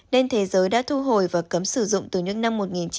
nên thế giới đã thu hồi và cấm sử dụng từ những năm một nghìn chín trăm bảy mươi